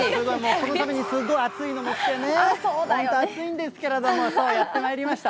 このためにすごい暑いスーツを着てね、本当、暑いんですけれども、やってまいりました。